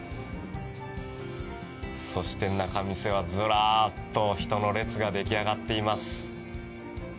そして仲見世はずらっと人の列が出来上がっています。